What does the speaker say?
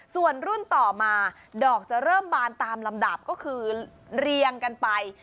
ส่วนรุ่นต่อมาดอกจะเริ่มบานตามลำดับก็คือเรียงกันไป